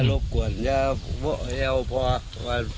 เราจะไม่ทำร้ายร่างกายพ่อนะ